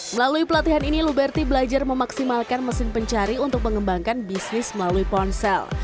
melalui pelatihan ini luberti belajar memaksimalkan mesin pencari untuk mengembangkan bisnis melalui ponsel